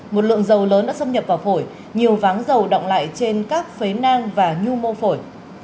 một lượng dầu lớn đã xâm nhập vào phổi nhiều váng dầu động lại trên các phế nang và nhu mô phổi